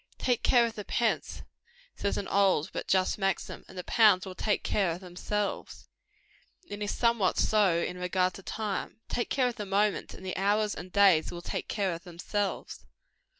"Take care of the pence," says an old but just maxim, "and the pounds will take care of themselves;" and it is somewhat so in regard to time. Take care of the moments, and the hours and days will take care of themselves.